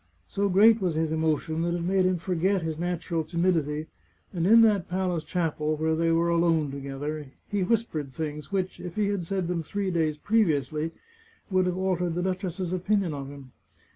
So great was his emotion that it made him forget his natural timidity, and in that palace chapel where they were alone together, he whispered things which, if he had said them three days previously, would have altered the duchess's opin ion of him.